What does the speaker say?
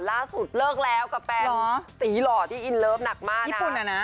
ล่าสุดเลิกแล้วกับแฟนตีหล่อที่อินเลิฟหนักมากค่ะ